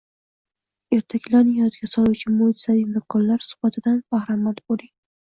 Ertaklarni yodga soluvchi mo‘jizaviy makonlar suratidan bahramand bo‘ling